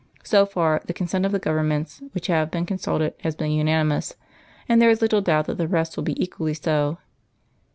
So far, the comment of the Governments which have been consulted has been unanimous, and there is little doubt that the rest will be equally so.